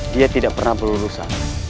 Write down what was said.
dia tidak pernah berurusan